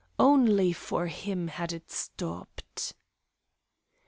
Only for him had it stopped.